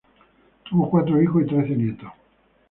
Tuvo cuatro hijos y trece nietos.